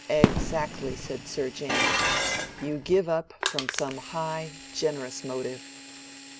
"Exactly," said Sir James. "You give up from some high, generous motive."